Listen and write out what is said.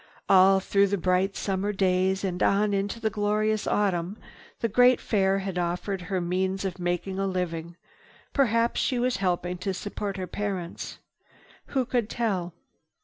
All through the bright summer days and on into the glorious autumn, the great Fair had offered her means of making a living. Perhaps she was helping to support her parents. Who could tell?